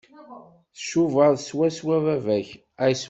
Tcubaḍ swaswa baba-k.